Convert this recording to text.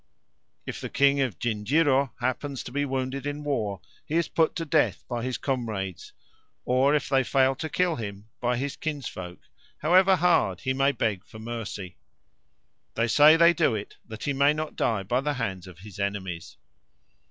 If the king of Gingiro happens to be wounded in war, he is put to death by his comrades, or, if they fail to kill him, by his kinsfolk, however hard he may beg for mercy. They say they do it that he may not die by the hands of his enemies.